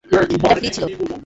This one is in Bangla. এটা ফ্রী ছিল।